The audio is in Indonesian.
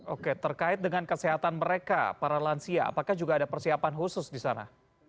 oke terkait dengan kesehatan mereka para lansia apakah juga ada persiapan khusus di sana